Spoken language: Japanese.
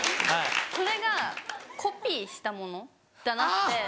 それがコピーしたものだなって。